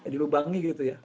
di lubangnya gitu ya